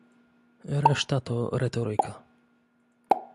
Reszta to retoryka